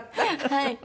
はい。